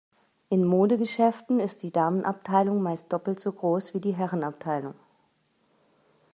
In Modegeschäften ist die Damenabteilung meist doppelt so groß wie die Herrenabteilung.